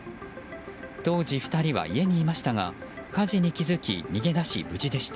当時２人は家にいましたが火事に気付き逃げ出し、無事でした。